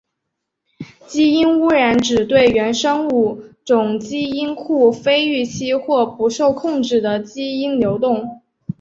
基因污染指对原生物种基因库非预期或不受控制的基因流动。